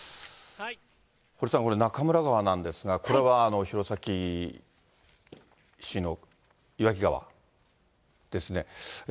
堀さん、これ、中村川なんですが、これは弘前市の岩木川ですね。